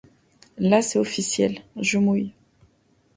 Là, c’est officiel : je mouille.